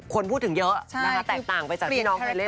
คนพูดถึงเยอะนะคะแตกต่างไปจากที่น้องไปเล่น